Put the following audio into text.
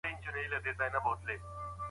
پلار به مې زه د شفق میاشتینۍ پسې لېږلم.